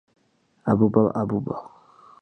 აბუბა აბუბა